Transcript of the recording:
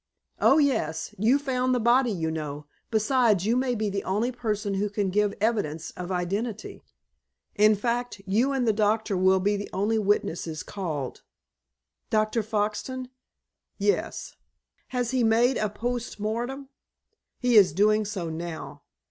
"Oh, yes. You found the body, you know. Besides, you may be the only person who can give evidence of identity. In fact, you and the doctor will be the only witnesses called." "Dr. Foxton?" "Yes." "Has he made a post mortem?" "He is doing so now.